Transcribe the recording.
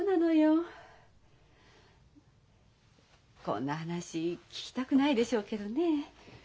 こんな話聞きたくないでしょうけどね